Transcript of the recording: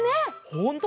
ほんとだ！